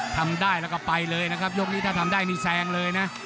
ทำได้แล้วก็ไปเลยนะครับยกนี้ถ้าทำได้นี่แซงเลยนะ